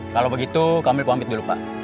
kalau begitu kami komit dulu pak